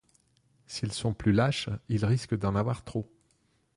Si elles sont plus lâches, il risque d'en avoir trop.